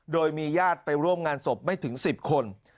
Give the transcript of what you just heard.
โดยมีญาติไปร่วมงานศพไม่ถึง๑๐คน